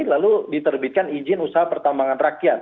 lalu diterbitkan izin usaha pertambangan rakyat